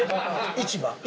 市場。